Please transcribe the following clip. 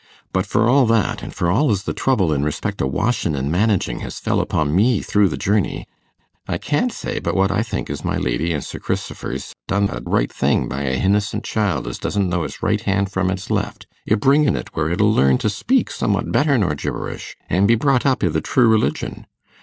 But for all that an' for all as the trouble in respect o' washin' and managin' has fell upo' me through the journey I can't say but what I think as my Lady an' Sir Cristifer's done a right thing by a hinnicent child as doesn't know its right hand from its left, i' bringing it where it'll learn to speak summat better nor gibberish, and be brought up i' the true religion.